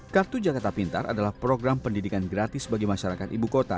kartu jakarta pintar adalah program pendidikan gratis bagi masyarakat ibu kota